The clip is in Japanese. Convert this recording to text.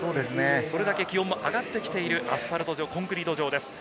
それだけ気温も上がってきているコンクリート上です。